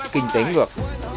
kinh tế ngược